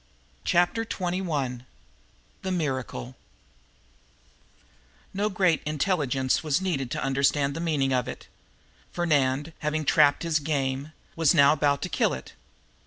Chapter Twenty one The Miracle No great intelligence was needed to understand the meaning of it. Fernand, having trapped his game, was now about to kill it.